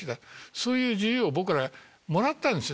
そういう自由を僕らもらったんです